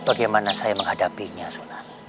bagaimana saya menghadapinya sunan